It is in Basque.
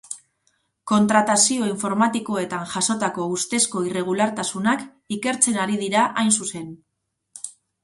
Kontratazio informatikoetan jasotako ustezko irregulartasunak ikertzen ari dira, hain zuzen.